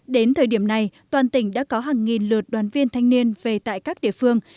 đến thời điểm này toàn tỉnh đã có hàng nghìn lượt đoàn viên thanh niên về tại các địa phương